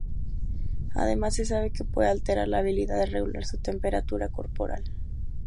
Además se sabe que puede alterar la habilidad de regular su temperatura corporal.